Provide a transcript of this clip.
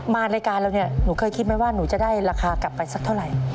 มารายการเราเนี่ยหนูเคยคิดไหมว่าหนูจะได้ราคากลับไปสักเท่าไหร่